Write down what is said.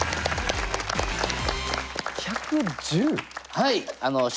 はい。